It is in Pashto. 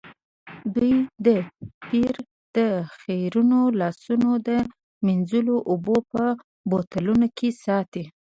دوی د پیر د خیرنو لاسونو د مینځلو اوبه په بوتلونو کې ساتي.